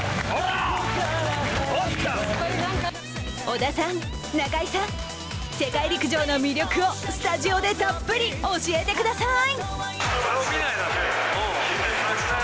織田さん、中井さん、世界陸上の魅力をスタジオでたっぷり教えてください！